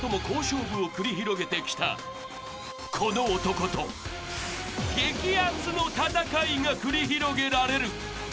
好勝負を繰り広げてきたこの男と激アツの戦いが繰り広げられる］